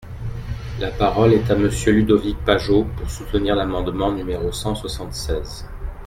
La parole est à Monsieur Ludovic Pajot, pour soutenir l’amendement numéro cent soixante-seize.